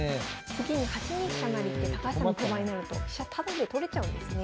次に８二飛車成って高橋さんの手番になると飛車タダで取れちゃうんですね。